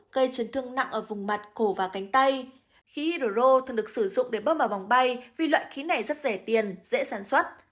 gây chấn thương nặng ở vùng mặt cổ và cánh tay khí iro thường được sử dụng để bơm vào vòng bay vì loại khí này rất rẻ tiền dễ sản xuất